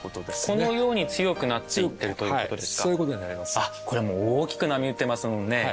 あっこれもう大きく波打ってますもんね。